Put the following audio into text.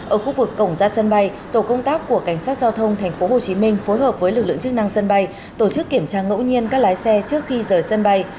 ở khu vực cổng ra sân bay tổ công tác của cảnh sát giao thông tp hcm phối hợp với lực lượng chức năng sân bay tổ chức kiểm tra ngẫu nhiên các lái xe trước khi rời sân bay